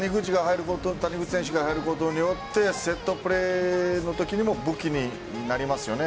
谷口選手が入ることによってセットプレーのときにも武器になりますよね。